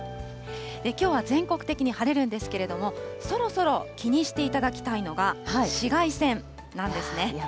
きょうは全国的に晴れるんですけれども、そろそろ気にしていただきたいのが紫外線なんですね。